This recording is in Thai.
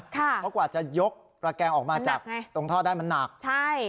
ค่ะเพราะกว่าจะยกประแกงออกมาจากมันหนักไงตรงท่อด้านมันหนักใช่